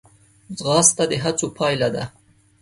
ځغاسته د هڅو پایله ده